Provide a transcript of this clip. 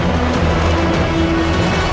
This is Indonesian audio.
entahlah kau memang salah